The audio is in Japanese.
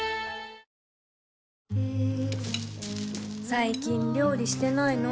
最近料理してないの？